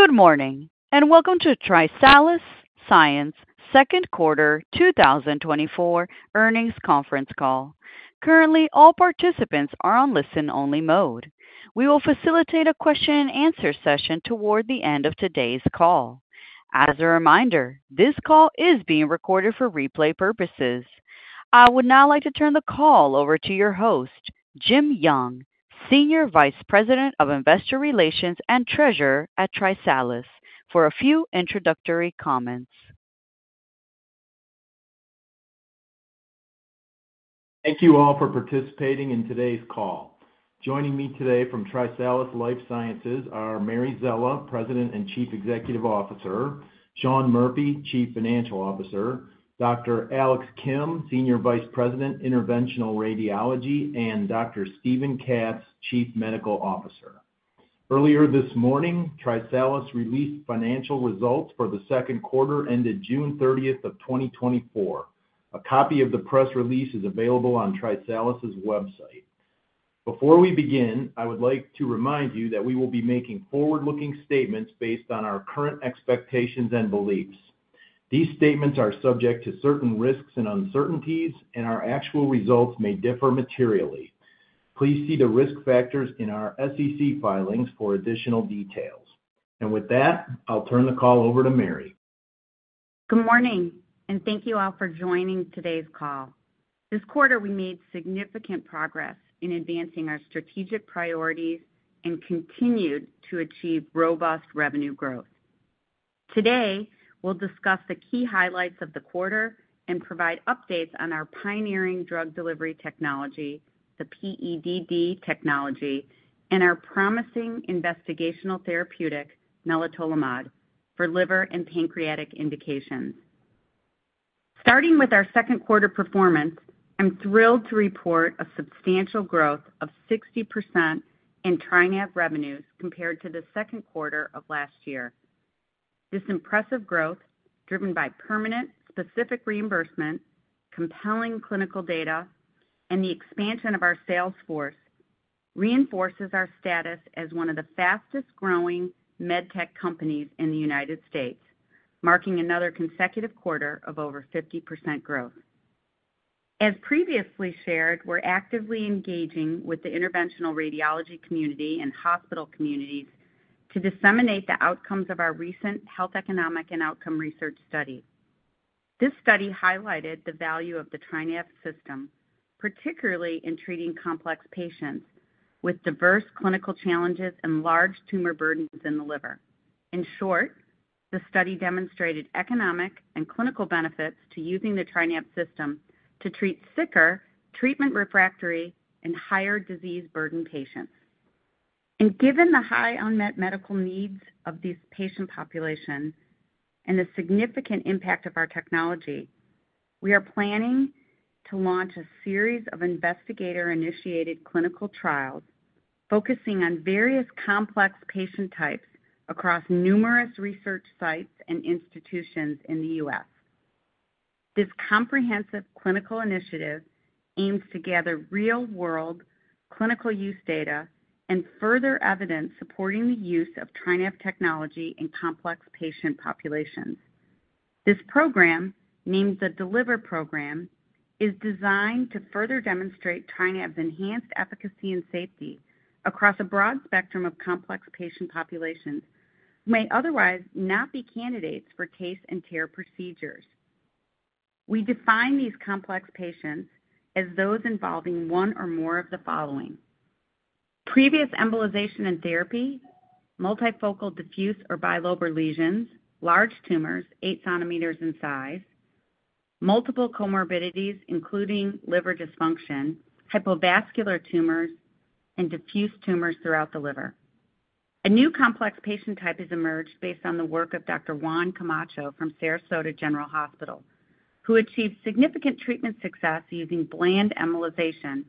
Good morning, and welcome to TriSalus Life Sciences second quarter 2024 earnings conference call. Currently, all participants are on listen-only mode. We will facilitate a question-and-answer session toward the end of today's call. As a reminder, this call is being recorded for replay purposes. I would now like to turn the call over to your host, Jim Young, Senior Vice President of Investor Relations and Treasurer at TriSalus, for a few introductory comments. Thank you all for participating in today's call. Joining me today from TriSalus Life Sciences are Mary Szela, President and Chief Executive Officer, Sean Murphy, Chief Financial Officer, Dr. Alex Kim, Senior Vice President, Interventional Radiology, and Dr. Steven Katz, Chief Medical Officer. Earlier this morning, TriSalus released financial results for the second quarter, ended June 30th of 2024. A copy of the press release is available on TriSalus's website. Before we begin, I would like to remind you that we will be making forward-looking statements based on our current expectations and beliefs. These statements are subject to certain risks and uncertainties, and our actual results may differ materially. Please see the risk factors in our SEC filings for additional details. With that, I'll turn the call over to Mary. Good morning, and thank you all for joining today's call. This quarter, we made significant progress in advancing our strategic priorities and continued to achieve robust revenue growth. Today, we'll discuss the key highlights of the quarter and provide updates on our pioneering drug delivery technology, the PEDD technology, and our promising investigational therapeutic, nelitolimod, for liver and pancreatic indications. Starting with our second quarter performance, I'm thrilled to report a substantial growth of 60% in TriNav revenues compared to the second quarter of last year. This impressive growth, driven by permanent specific reimbursement, compelling clinical data, and the expansion of our sales force, reinforces our status as one of the fastest-growing med tech companies in the United States, marking another consecutive quarter of over 50% growth. As previously shared, we're actively engaging with the interventional radiology community and hospital communities to disseminate the outcomes of our recent health, economic, and outcome research study. This study highlighted the value of the TriNav system, particularly in treating complex patients with diverse clinical challenges and large tumor burdens in the liver. In short, the study demonstrated economic and clinical benefits to using the TriNav system to treat sicker, treatment refractory, and higher disease burden patients. Given the high unmet medical needs of these patient populations and the significant impact of our technology, we are planning to launch a series of investigator-initiated clinical trials focusing on various complex patient types across numerous research sites and institutions in the U.S. This comprehensive clinical initiative aims to gather real-world clinical use data and further evidence supporting the use of TriNav technology in complex patient populations. This program, named the DELIVER Program, is designed to further demonstrate TriNav's enhanced efficacy and safety across a broad spectrum of complex patient populations, who may otherwise not be candidates for TACE and TARE procedures. We define these complex patients as those involving one or more of the following: previous embolization and therapy, multifocal diffuse or bilobar lesions, large tumors, 8 cm in size, multiple comorbidities, including liver dysfunction, hypovascular tumors, and diffuse tumors throughout the liver. A new complex patient type has emerged based on the work of Dr. Juan Camacho from Sarasota Memorial Hospital, who achieved significant treatment success using bland embolization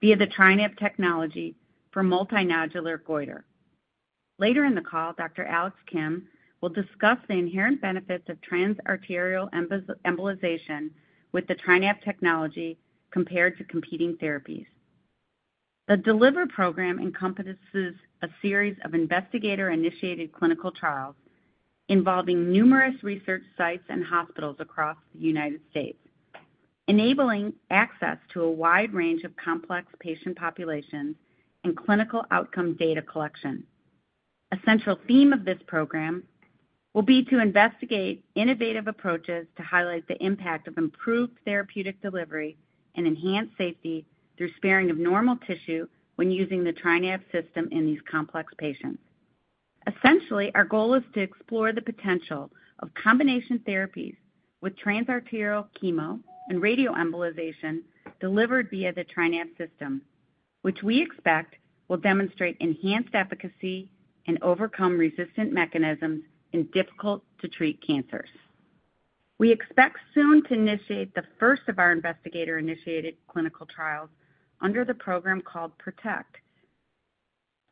via the TriNav technology for multinodular goiter. Later in the call, Dr. Alex Kim will discuss the inherent benefits of transarterial embolization with the TriNav technology compared to competing therapies. The DELIVER Program encompasses a series of investigator-initiated clinical trials involving numerous research sites and hospitals across the United States, enabling access to a wide range of complex patient populations and clinical outcome data collection. A central theme of this program will be to investigate innovative approaches to highlight the impact of improved therapeutic delivery and enhanced safety through sparing of normal tissue when using the TriNav system in these complex patients. Essentially, our goal is to explore the potential of combination therapies with transarterial chemo and radio embolization delivered via the TriNav system, which we expect will demonstrate enhanced efficacy and overcome resistant mechanisms in difficult to treat cancers. We expect soon to initiate the first of our investigator-initiated clinical trials under the program called PROTECT,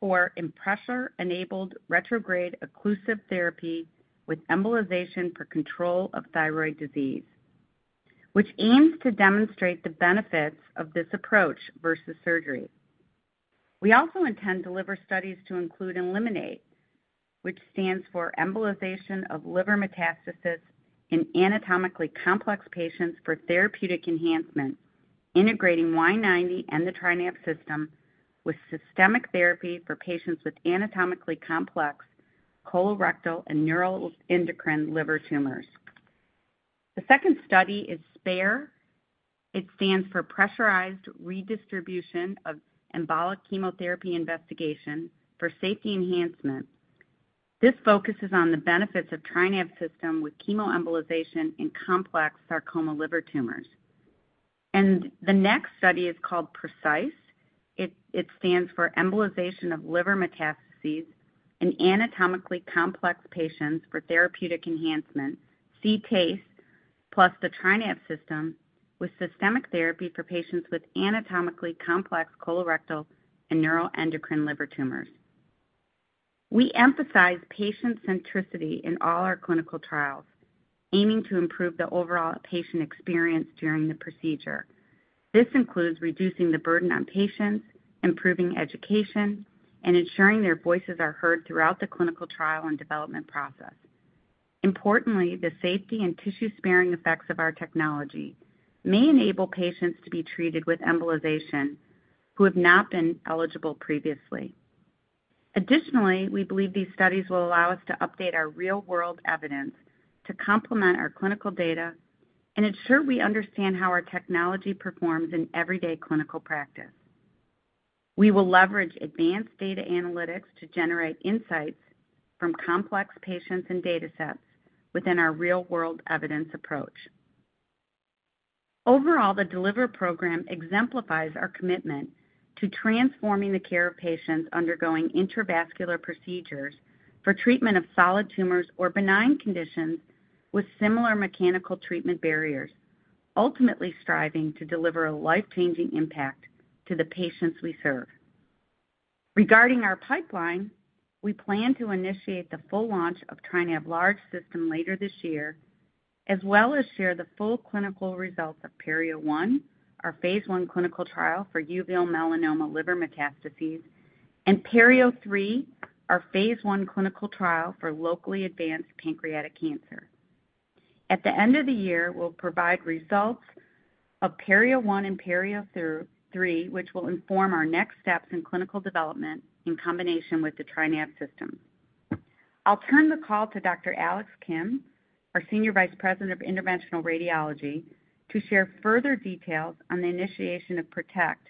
or Pressure-enabled Retrograde Occlusive Therapy with Embolization for Control of Thyroid disease. which aims to demonstrate the benefits of this approach versus surgery. We also intend to deliver studies to include ELIMINATE, which stands for Embolization of Liver Metastasis in Anatomically Complex Patients for Therapeutic Enhancement, integrating Y90 and the TriNav system with systemic therapy for patients with anatomically complex colorectal and neuroendocrine liver tumors. The second study is SPARE. It stands for Pressurized Redistribution of Embolic Chemotherapy Investigation for Safety Enhancement. This focuses on the benefits of TriNav system with chemoembolization in complex sarcoma liver tumors. And the next study is called PRECISE. It stands for Embolization of Liver Metastases in Anatomically Complex Patients for Therapeutic Enhancement, TACE, plus the TriNav system, with systemic therapy for patients with anatomically complex colorectal and neuroendocrine liver tumors. We emphasize patient centricity in all our clinical trials, aiming to improve the overall patient experience during the procedure. This includes reducing the burden on patients, improving education, and ensuring their voices are heard throughout the clinical trial and development process. Importantly, the safety and tissue-sparing effects of our technology may enable patients to be treated with embolization who have not been eligible previously. Additionally, we believe these studies will allow us to update our real-world evidence to complement our clinical data and ensure we understand how our technology performs in everyday clinical practice. We will leverage advanced data analytics to generate insights from complex patients and data sets within our real-world evidence approach. Overall, the DELIVER Program exemplifies our commitment to transforming the care of patients undergoing intravascular procedures for treatment of solid tumors or benign conditions with similar mechanical treatment barriers, ultimately striving to deliver a life-changing impact to the patients we serve. Regarding our pipeline, we plan to initiate the full launch of TriNav Large system later this year, as well as share the full clinical results of PERIO-01, our phase I clinical trial for uveal melanoma liver metastases, and PERIO-03, our phase I clinical trial for locally advanced pancreatic cancer. At the end of the year, we'll provide results of PERIO-01 and PERIO-03, which will inform our next steps in clinical development in combination with the TriNav system. I'll turn the call to Dr. Alex Kim, our Senior Vice President of Interventional Radiology, to share further details on the initiation of PROTECT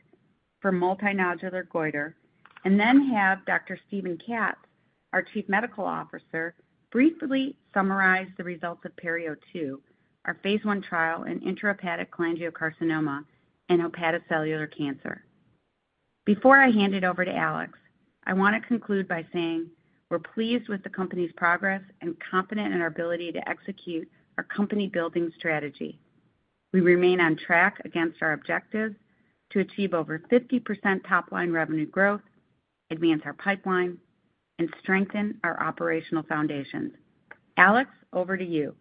for multinodular goiter, and then have Dr. Steven Katz, our Chief Medical Officer, briefly summarize the results of PERIO-02, our phase I trial in intrahepatic cholangiocarcinoma and hepatocellular cancer. Before I hand it over to Alex, I want to conclude by saying we're pleased with the company's progress and confident in our ability to execute our company-building strategy. We remain on track against our objectives to achieve over 50% top-line revenue growth, advance our pipeline, and strengthen our operational foundations. Alex, over to you.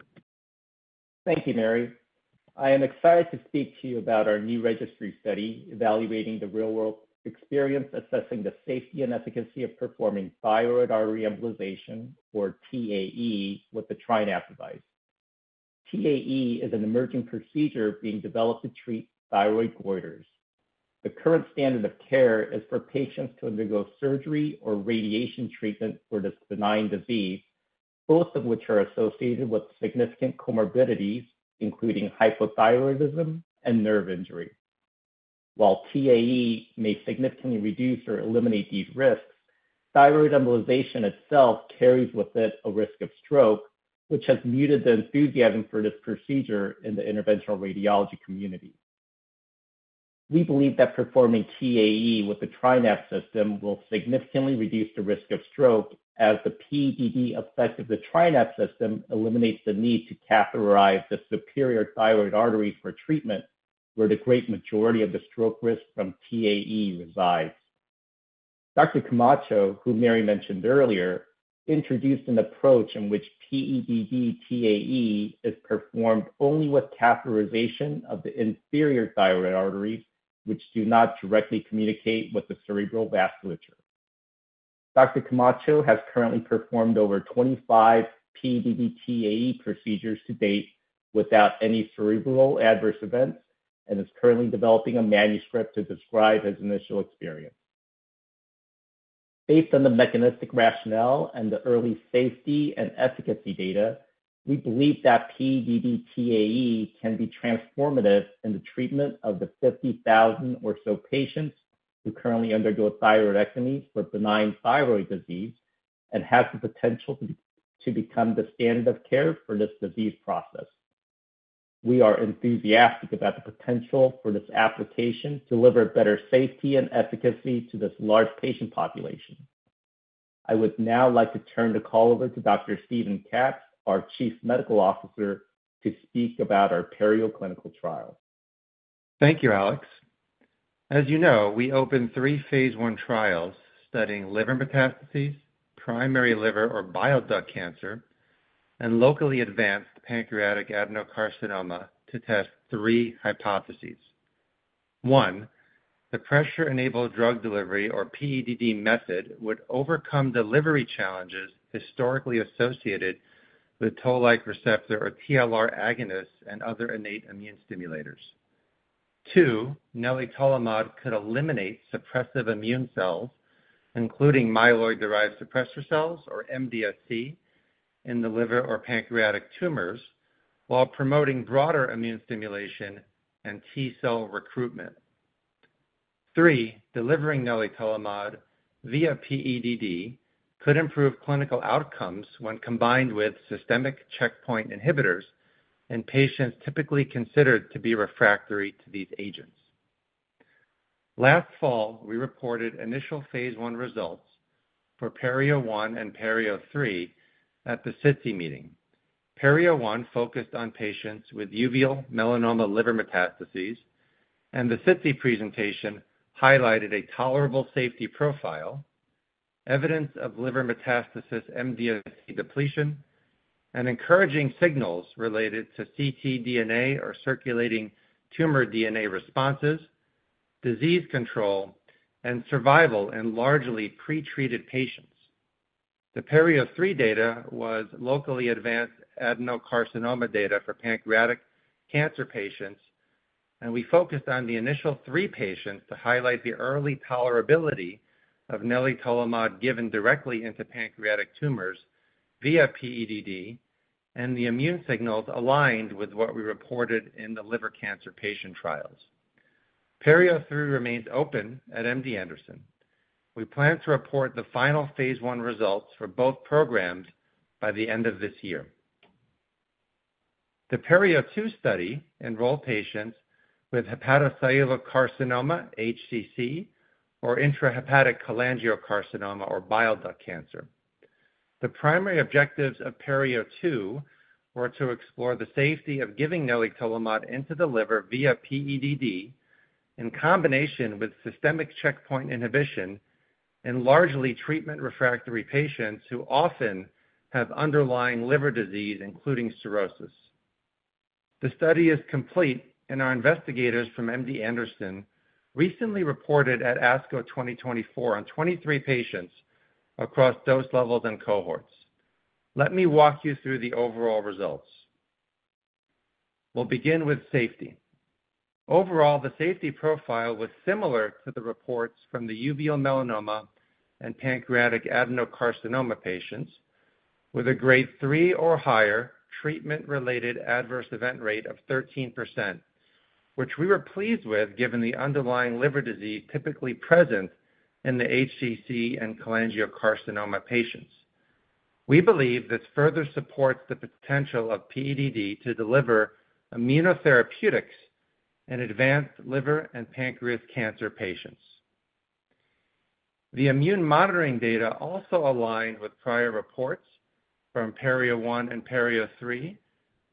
Thank you, Mary. I am excited to speak to you about our new registry study evaluating the real-world experience, assessing the safety and efficacy of performing thyroid artery embolization, or TAE, with the TriNav device. TAE is an emerging procedure being developed to treat thyroid goiters. The current standard of care is for patients to undergo surgery or radiation treatment for this benign disease, both of which are associated with significant comorbidities, including hypothyroidism and nerve injury. While TAE may significantly reduce or eliminate these risks, thyroid embolization itself carries with it a risk of stroke, which has muted the enthusiasm for this procedure in the interventional radiology community. We believe that performing TAE with the TriNav system will significantly reduce the risk of stroke, as the PED effect of the TriNav system eliminates the need to catheterize the superior thyroid artery for treatment, where the great majority of the stroke risk from TAE resides. Dr. Camacho, who Mary mentioned earlier, introduced an approach in which PED TAE is performed only with catheterization of the inferior thyroid arteries, which do not directly communicate with the cerebral vasculature. Dr. Camacho has currently performed over 25 PED TAE procedures to date without any cerebral adverse events and is currently developing a manuscript to describe his initial experience. Based on the mechanistic rationale and the early safety and efficacy data, we believe that PED TAE can be transformative in the treatment of the 50,000 or so patients who currently undergo thyroidectomies for benign thyroid disease and has the potential to become the standard of care for this disease process. We are enthusiastic about the potential for this application to deliver better safety and efficacy to this large patient population. I would now like to turn the call over to Dr. Steven Katz, our Chief Medical Officer, to speak about our PERIO clinical trial.... Thank you, Alex. As you know, we opened three phase I trials studying liver metastases, primary liver or bile duct cancer, and locally advanced pancreatic adenocarcinoma to test three hypotheses. One, the pressure-enabled drug delivery, or PEDD method, would overcome delivery challenges historically associated with toll-like receptor, or TLR agonists, and other innate immune stimulators. Two, nelitolimod could eliminate suppressive immune cells, including myeloid-derived suppressor cells, or MDSC, in the liver or pancreatic tumors, while promoting broader immune stimulation and T-cell recruitment. Three, delivering nelitolimod via PEDD could improve clinical outcomes when combined with systemic checkpoint inhibitors in patients typically considered to be refractory to these agents. Last fall, we reported initial phase I results for PERIO-01 and PERIO-03 at the SITC meeting. PERIO-01 focused on patients with uveal melanoma liver metastases, and the SITC presentation highlighted a tolerable safety profile, evidence of liver metastasis MDSC depletion, and encouraging signals related to ctDNA or circulating tumor DNA responses, disease control, and survival in largely pretreated patients. The PERIO-03 data was locally advanced adenocarcinoma data for pancreatic cancer patients, and we focused on the initial 3 patients to highlight the early tolerability of nelitolimod given directly into pancreatic tumors via PEDD, and the immune signals aligned with what we reported in the liver cancer patient trials. PERIO-03 remains open at MD Anderson. We plan to report the final phase I results for both programs by the end of this year. The PERIO-02 study enrolled patients with hepatocellular carcinoma, HCC, or intrahepatic cholangiocarcinoma, or bile duct cancer. The primary objectives of PERIO-02 were to explore the safety of giving nelitolimod into the liver via PEDD in combination with systemic checkpoint inhibition in largely treatment-refractory patients who often have underlying liver disease, including cirrhosis. The study is complete, and our investigators from MD Anderson recently reported at ASCO 2024 on 23 patients across dose levels and cohorts. Let me walk you through the overall results. We'll begin with safety. Overall, the safety profile was similar to the reports from the uveal melanoma and pancreatic adenocarcinoma patients, with a grade 3 or higher treatment-related adverse event rate of 13%, which we were pleased with given the underlying liver disease typically present in the HCC and cholangiocarcinoma patients. We believe this further supports the potential of PEDD to deliver immunotherapeutics in advanced liver and pancreas cancer patients. The immune monitoring data also aligned with prior reports from PERIO-01 and PERIO-03,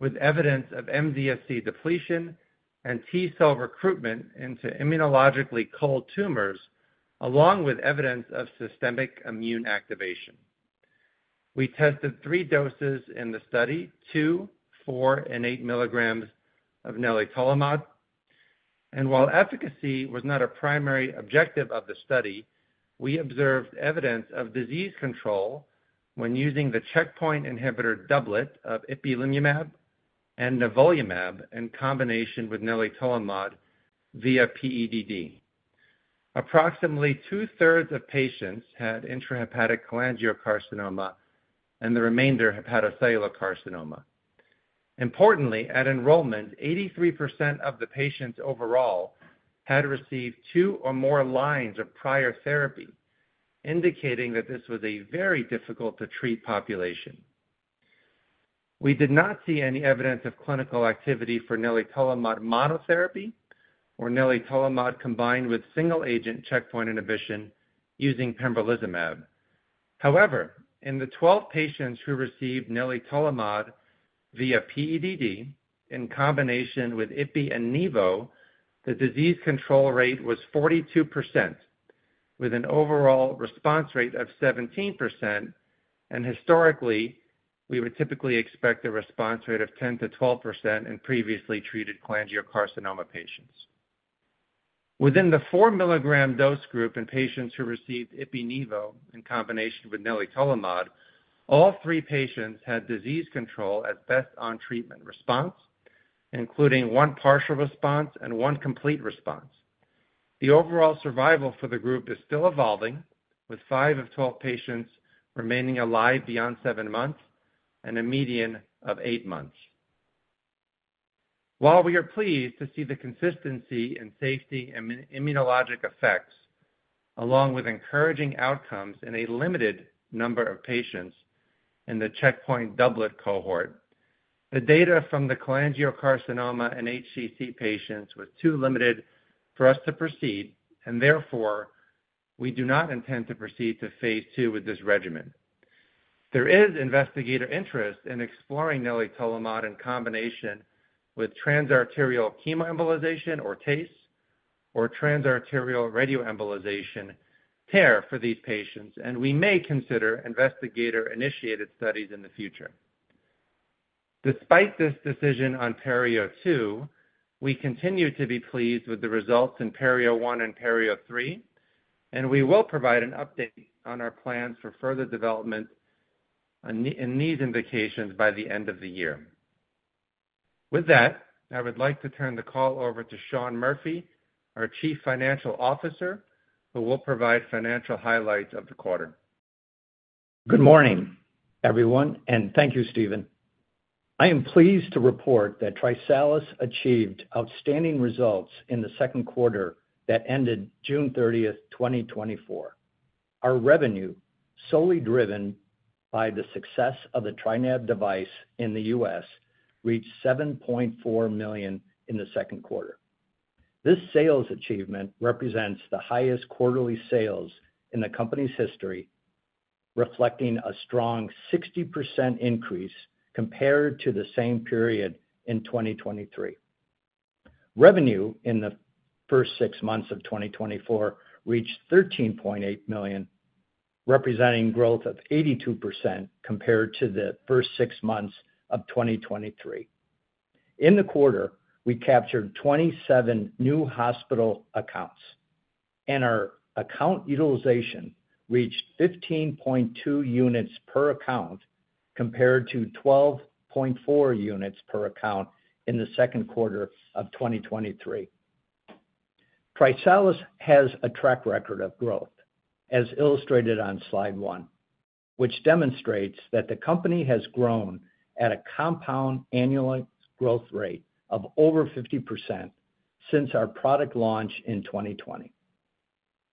with evidence of MDSC depletion and T-cell recruitment into immunologically cold tumors, along with evidence of systemic immune activation. We tested three doses in the study, two, four, and eight milligrams of nelitolimod, and while efficacy was not a primary objective of the study, we observed evidence of disease control when using the checkpoint inhibitor doublet of ipilimumab and nivolumab in combination with nelitolimod via PEDD. Approximately 2/3 of patients had intrahepatic cholangiocarcinoma, and the remainder hepatocellular carcinoma. Importantly, at enrollment, 83% of the patients overall had received two or more lines of prior therapy, indicating that this was a very difficult to treat population. We did not see any evidence of clinical activity for nelitolimod monotherapy or nelitolimod combined with single agent checkpoint inhibition using pembrolizumab. However, in the 12 patients who received nelitolimod via PEDD in combination with ipi and nivo, the disease control rate was 42%, with an overall response rate of 17%, and historically, we would typically expect a response rate of 10%-12% in previously treated cholangiocarcinoma patients. Within the 4 mg dose group in patients who received ipi, nivo in combination with nelitolimod, all three patients had disease control at best on treatment response, including one partial response and one complete response. The overall survival for the group is still evolving, with five of 12 patients remaining alive beyond seven months and a median of eight months. While we are pleased to see the consistency in safety and immunologic effects, along with encouraging outcomes in a limited number of patients in the checkpoint doublet cohort, the data from the cholangiocarcinoma and HCC patients was too limited for us to proceed, and therefore, we do not intend to proceed to Phase II with this regimen.... There is investigator interest in exploring nelitolimod in combination with transarterial chemoembolization, or TACE, or transarterial radioembolization, TARE, for these patients, and we may consider investigator-initiated studies in the future. Despite this decision on PERIO-02, we continue to be pleased with the results in PERIO-01 and PERIO-03, and we will provide an update on our plans for further development on, in these indications by the end of the year. With that, I would like to turn the call over to Sean Murphy, our Chief Financial Officer, who will provide financial highlights of the quarter. Good morning, everyone, and thank you, Steven. I am pleased to report that TriSalus achieved outstanding results in the second quarter that ended June 30th, 2024. Our revenue, solely driven by the success of the TriNav device in the U.S., reached $7.4 million in the second quarter. This sales achievement represents the highest quarterly sales in the company's history, reflecting a strong 60% increase compared to the same period in 2023. Revenue in the first six months of 2024 reached $13.8 million, representing growth of 82% compared to the first six months of 2023. In the quarter, we captured 27 new hospital accounts, and our account utilization reached 15.2 units per account, compared to 12.4 units per account in the second quarter of 2023. TriSalus has a track record of growth, as illustrated on Slide 1, which demonstrates that the company has grown at a compound annual growth rate of over 50% since our product launch in 2020.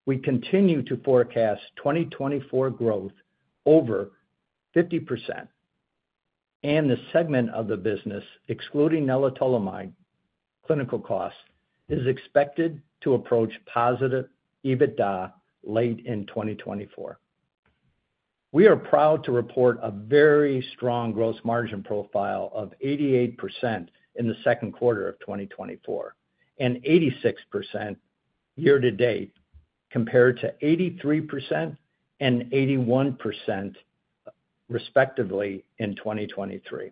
We continue to forecast 2024 growth over 50%, and the segment of the business, excluding nelitolimod clinical costs, is expected to approach positive EBITDA late in 2024. We are proud to report a very strong gross margin profile of 88% in the second quarter of 2024, and 86% year-to-date, compared to 83% and 81%, respectively, in 2023.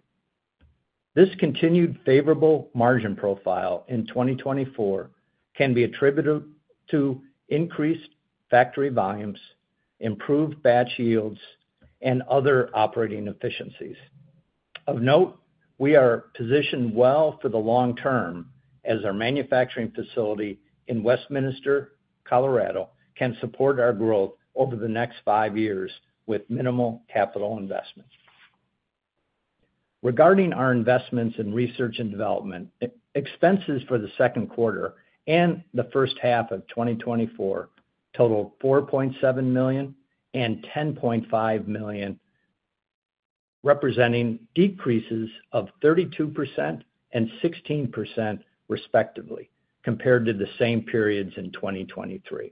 This continued favorable margin profile in 2024 can be attributed to increased factory volumes, improved batch yields, and other operating efficiencies. Of note, we are positioned well for the long term as our manufacturing facility in Westminster, Colorado, can support our growth over the next 5 years with minimal capital investments. Regarding our investments in research and development, expenses for the second quarter and the first half of 2024 totaled $4.7 million and $10.5 million, representing decreases of 32% and 16% respectively, compared to the same periods in 2023.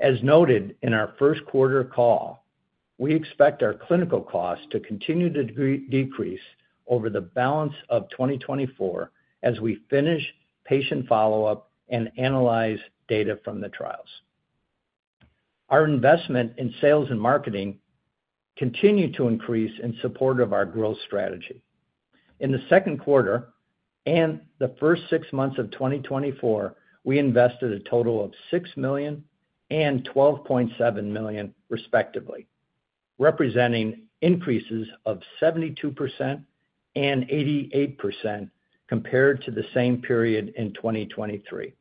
As noted in our first quarter call, we expect our clinical costs to continue to decrease over the balance of 2024 as we finish patient follow-up and analyze data from the trials. Our investment in sales and marketing continued to increase in support of our growth strategy. In the second quarter and the first six months of 2024, we invested a total of $6 million and $12.7 million, respectively, representing increases of 72% and 88% compared to the same period in 2023.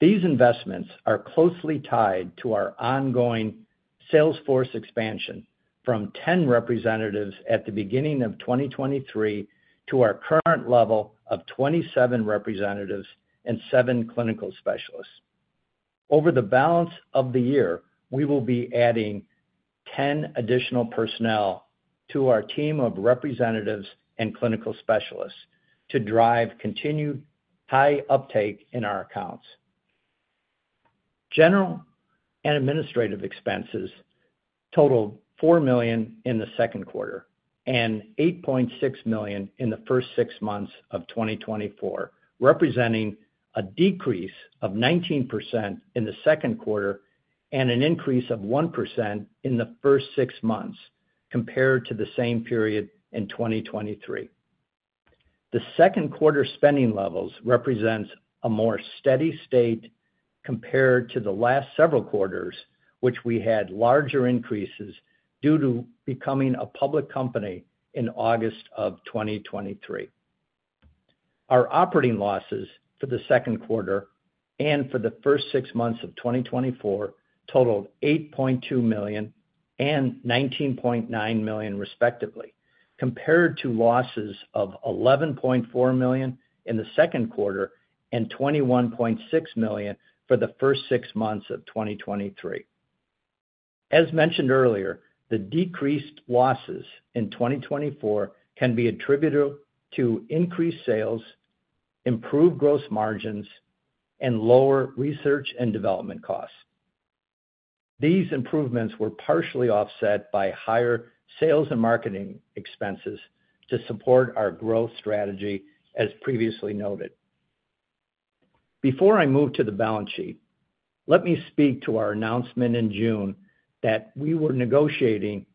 These investments are closely tied to our ongoing sales force expansion from 10 representatives at the beginning of 2023 to our current level of 27 representatives and seven clinical specialists. Over the balance of the year, we will be adding 10 additional personnel to our team of representatives and clinical specialists to drive continued high uptake in our accounts. General and administrative expenses totaled $4 million in the second quarter and $8.6 million in the first six months of 2024, representing a decrease of 19% in the second quarter and an increase of 1% in the first six months compared to the same period in 2023. The second quarter spending levels represents a more steady state compared to the last several quarters, which we had larger increases due to becoming a public company in August of 2023. Our operating losses for the second quarter and for the first six months of 2024 totaled $8.2 million and $19.9 million, respectively, compared to losses of $11.4 million in the second quarter and $21.6 million for the first six months of 2023. As mentioned earlier, the decreased losses in 2024 can be attributed to increased sales, improved gross margins, and lower research and development costs. These improvements were partially offset by higher sales and marketing expenses to support our growth strategy, as previously noted. Before I move to the balance sheet, let me speak to our announcement in June that we were negotiating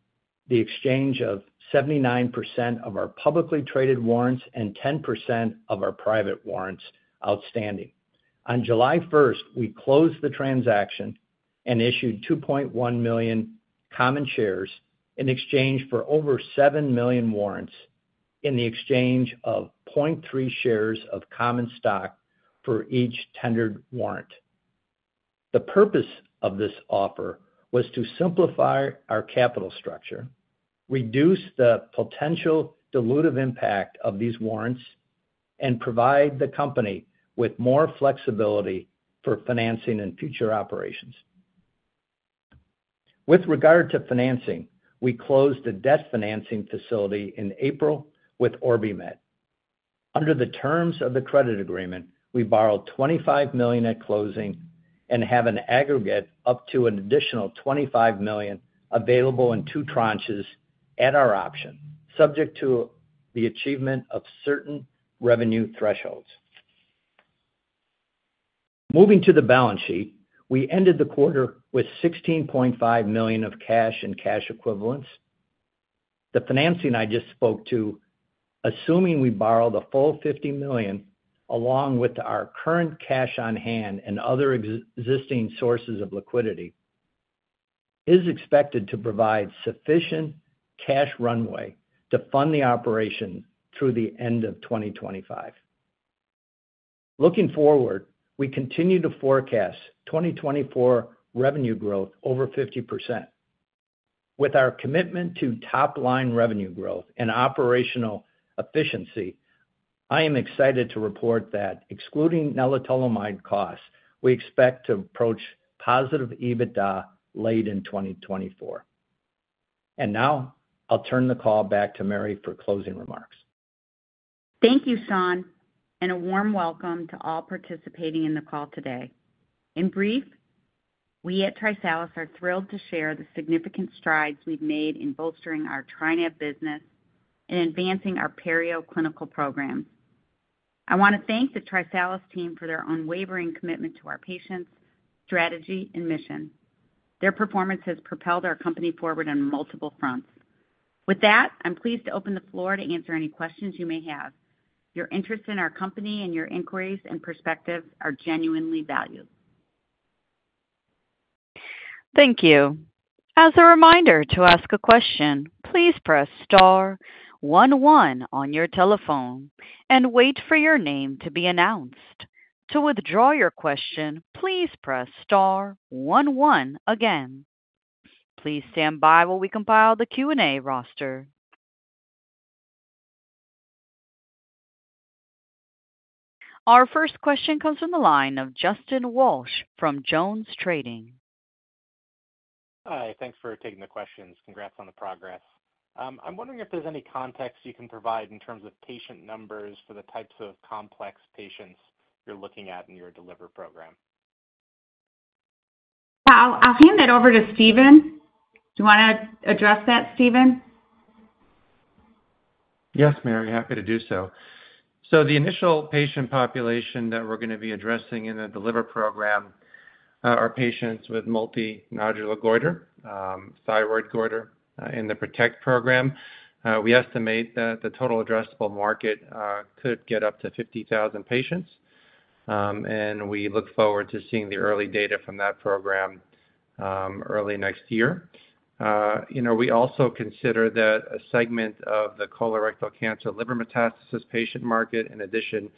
the exchange of 79% of our publicly traded warrants and 10% of our private warrants outstanding. On July 1, we closed the transaction and issued 2.1 million common shares in exchange for over 7 million warrants in the exchange of 0.3 shares of common stock for each tendered warrant. The purpose of this offer was to simplify our capital structure, reduce the potential dilutive impact of these warrants, and provide the company with more flexibility for financing and future operations. With regard to financing, we closed a debt financing facility in April with OrbiMed. Under the terms of the credit agreement, we borrowed $25 million at closing and have an aggregate up to an additional $25 million available in two tranches at our option, subject to the achievement of certain revenue thresholds. Moving to the balance sheet, we ended the quarter with $16.5 million of cash and cash equivalents. The financing I just spoke to, assuming we borrow the full $50 million, along with our current cash on hand and other existing sources of liquidity, is expected to provide sufficient cash runway to fund the operation through the end of 2025. Looking forward, we continue to forecast 2024 revenue growth over 50%. With our commitment to top-line revenue growth and operational efficiency, I am excited to report that excluding nelitolimod costs, we expect to approach positive EBITDA late in 2024. Now, I'll turn the call back to Mary for closing remarks. Thank you, Sean, and a warm welcome to all participating in the call today. In brief, we at TriSalus are thrilled to share the significant strides we've made in bolstering our TriNav business and advancing our perio clinical program. I want to thank the TriSalus team for their unwavering commitment to our patients, strategy, and mission. Their performance has propelled our company forward on multiple fronts. With that, I'm pleased to open the floor to answer any questions you may have. Your interest in our company and your inquiries and perspectives are genuinely valued. Thank you. As a reminder to ask a question, please press star one one on your telephone and wait for your name to be announced. To withdraw your question, please press star one one again. Please stand by while we compile the Q&A roster. Our first question comes from the line of Justin Walsh from JonesTrading. Hi, thanks for taking the questions. Congrats on the progress. I'm wondering if there's any context you can provide in terms of patient numbers for the types of complex patients you're looking at in your DELIVER Program? I'll hand that over to Steven. Do you want to address that, Steven? Yes, Mary, happy to do so. So the initial patient population that we're going to be addressing in the DELIVER program are patients with multinodular goiter, thyroid goiter. In the PROTECT program, we estimate that the total addressable market could get up to 50,000 patients, and we look forward to seeing the early data from that program early next year. You know, we also consider that a segment of the colorectal cancer liver metastasis patient market, in addition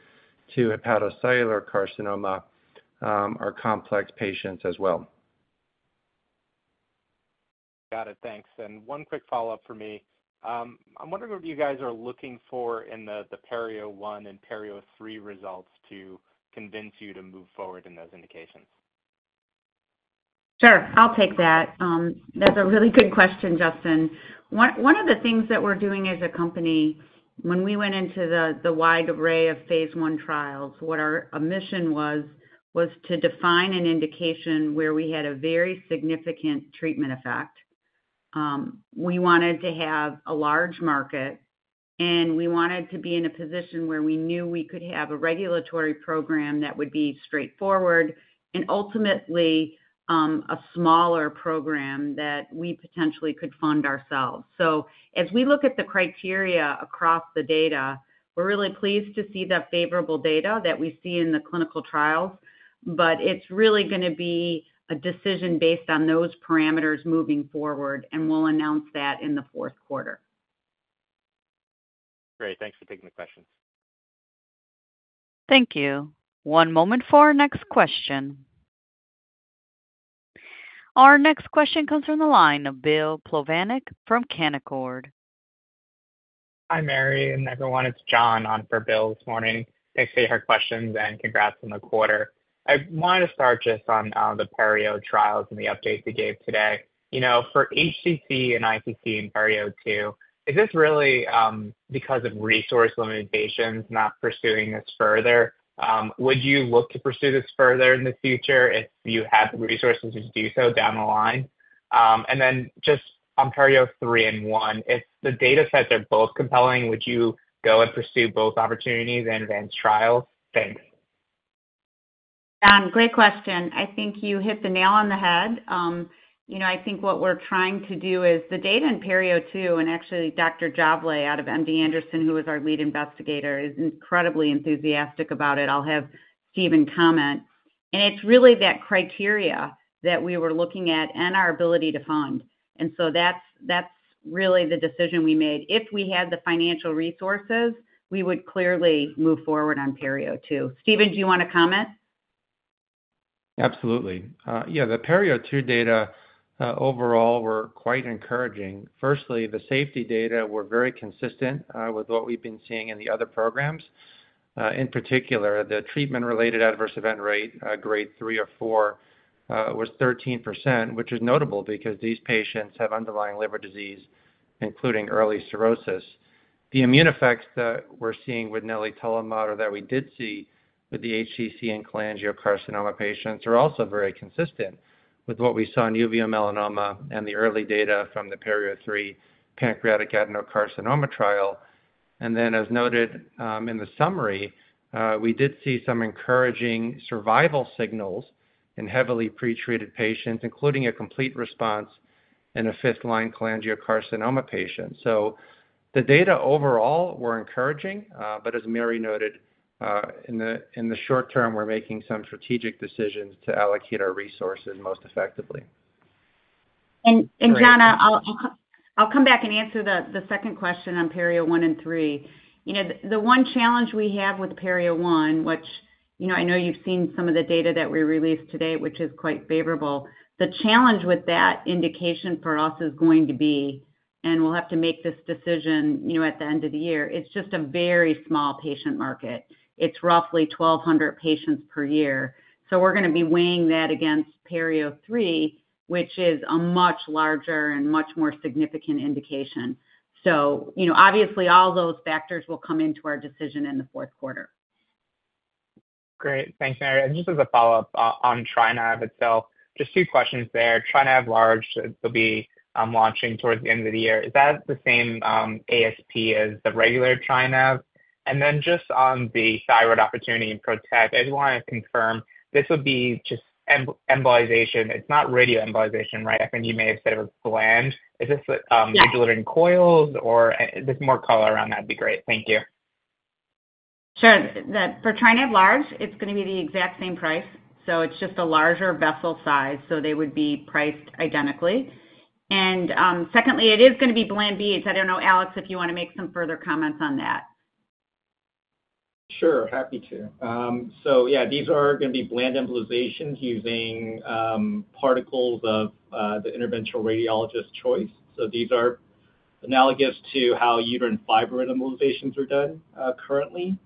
to hepatocellular carcinoma, are complex patients as well. Got it. Thanks. One quick follow-up for me. I'm wondering what you guys are looking for in the PERIO-01 and PERIO-03 results to convince you to move forward in those indications? Sure. I'll take that. That's a really good question, Justin. One of the things that we're doing as a company, when we went into the wide array of phase I trials, what our mission was, was to define an indication where we had a very significant treatment effect. We wanted to have a large market, and we wanted to be in a position where we knew we could have a regulatory program that would be straightforward and ultimately a smaller program that we potentially could fund ourselves. So as we look at the criteria across the data, we're really pleased to see the favorable data that we see in the clinical trials, but it's really going to be a decision based on those parameters moving forward, and we'll announce that in the fourth quarter. Great. Thanks for taking the question. Thank you. One moment for our next question. Our next question comes from the line of Bill Plovanic from Canaccord. Hi, Mary, and everyone. It's John on for Bill this morning. Thanks for your hard questions, and congrats on the quarter. ... I wanted to start just on the PERIO trials and the updates you gave today. You know, for HCC and ICC in PERIO-2, is this really because of resource limitations, not pursuing this further? Would you look to pursue this further in the future if you had the resources to do so down the line? And then just on PERIO-3 and 1, if the data sets are both compelling, would you go and pursue both opportunities and advance trials? Thanks. Great question. I think you hit the nail on the head. You know, I think what we're trying to do is the data in PERIO-2, and actually Dr. Javle out of MD Anderson, who is our lead investigator, is incredibly enthusiastic about it. I'll have Steven comment. And it's really that criteria that we were looking at and our ability to fund, and so that's, that's really the decision we made. If we had the financial resources, we would clearly move forward on PERIO-2. Steven, do you wanna comment? Absolutely. Yeah, the PERIO-2 data, overall, were quite encouraging. Firstly, the safety data were very consistent with what we've been seeing in the other programs. In particular, the treatment-related adverse event rate, grade three or four, was 13%, which is notable because these patients have underlying liver disease, including early cirrhosis. The immune effects that we're seeing with nelitolimod, or that we did see with the HCC and cholangiocarcinoma patients, are also very consistent with what we saw in uveal melanoma and the early data from the PERIO-3 pancreatic adenocarcinoma trial. And then, as noted, in the summary, we did see some encouraging survival signals in heavily pretreated patients, including a complete response in a fifth-line cholangiocarcinoma patient. So the data overall were encouraging, but as Mary noted, in the short term, we're making some strategic decisions to allocate our resources most effectively. And Janna, I'll come back and answer the second question on PERIO-1 and 3. You know, the one challenge we have with PERIO-1, which, you know, I know you've seen some of the data that we released today, which is quite favorable. The challenge with that indication for us is going to be, and we'll have to make this decision, you know, at the end of the year, it's just a very small patient market. It's roughly 1,200 patients per year. So we're gonna be weighing that against PERIO-3, which is a much larger and much more significant indication. So, you know, obviously, all those factors will come into our decision in the fourth quarter. Great. Thanks, Mary. And just as a follow-up on TriNav itself, just two questions there. TriNav Large should be launching towards the end of the year. Is that the same ASP as the regular TriNav? And then just on the thyroid opportunity in PROTECT, I just wanted to confirm, this would be just embolization, it's not radio embolization, right? I think you may have said it was bland. Is this, Yeah... delivering coils or, just more color around? That'd be great. Thank you. Sure. For TriNav Large, it's gonna be the exact same price, so it's just a larger vessel size, so they would be priced identically. And, secondly, it is gonna be bland beads. I don't know, Alex, if you wanna make some further comments on that. Sure, happy to. So yeah, these are gonna be bland embolizations using particles of the interventional radiologist's choice. So these are analogous to how uterine fibroid embolizations are done currently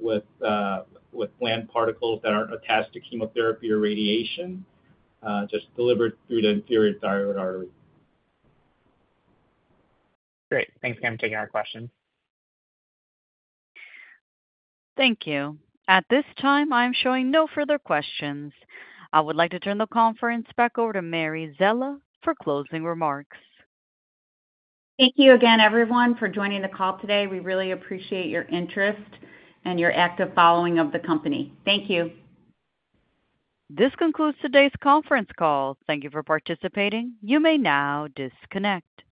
with bland particles that aren't attached to chemotherapy or radiation just delivered through the inferior thyroid artery. Great. Thanks again for taking our question. Thank you. At this time, I'm showing no further questions. I would like to turn the conference back over to Mary Szela for closing remarks. Thank you again, everyone, for joining the call today. We really appreciate your interest and your active following of the company. Thank you. This concludes today's conference call. Thank you for participating. You may now disconnect.